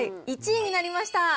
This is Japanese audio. １位になりました。